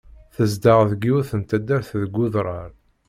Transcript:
Tezdeɣ deg yiwet n taddart deg udrar.